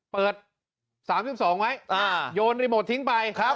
เปิด๓๒ไว้โยนรีโมททิ้งไป